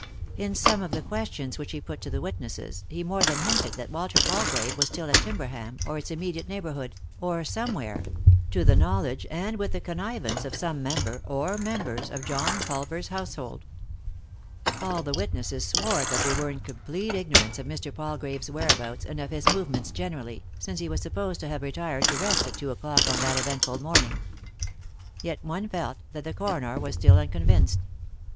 In some of the questions which he put to witnesses he more than hinted that Walter Palgrave was still at Timberham, or its immediate neighbour hood — or somewhere — to the knowledge and with the connivance of some member or members of John Culver's household. All the witnesses swore that they were in complete ignorance of Mr. Palgrave's whereabouts and of bis movements generally, since he was supposed to have retired to rest at two o'clock on that eventful morning. Yet one felt that the coroner was still unconvinced.